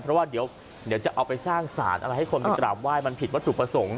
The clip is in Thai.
เพราะว่าเดี๋ยวจะเอาไปสร้างสารอะไรให้คนมากราบไห้มันผิดวัตถุประสงค์